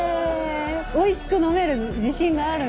おいしく飲める自信があるんだ。